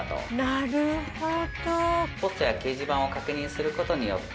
なるほど。